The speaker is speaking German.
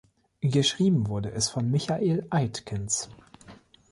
Geschrieben wurde es von Michael Aitkens.